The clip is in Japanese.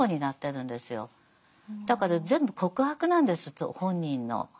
だから全部告白なんです本人の。